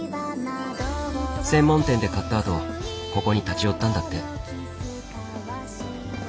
専門店で買ったあとここに立ち寄ったんだって。